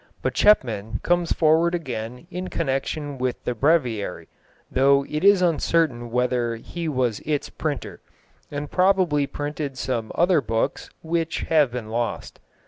But Chepman comes forward again in connection with the Breviary (though it is uncertain whether he was its printer), and probably printed some other books which have been lost.